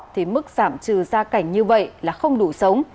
thì mức giảm trừ gia cảnh như vậy là không đủ sống